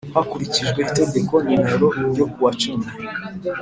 Hakurikijwe itegeko nimero ryo kuwa cumi.